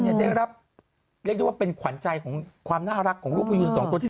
ได้รับเรียกได้ว่าเป็นขวัญใจของความน่ารักของลูกพยูนสองตัวที่